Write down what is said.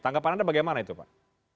tanggapan anda bagaimana itu pak